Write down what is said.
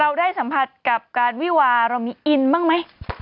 เราได้สัมผัสกับการวิวาเรามีอินบ้างไหม